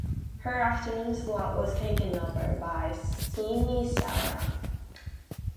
Her afternoon slot was taken over by Simi Sara.